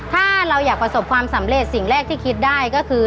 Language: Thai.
ถ้าเราอยากประสบความสำเร็จสิ่งแรกที่คิดได้ก็คือ